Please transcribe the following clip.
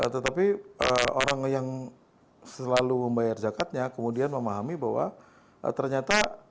tetapi orang yang selalu membayar zakatnya kemudian memahami bahwa ternyata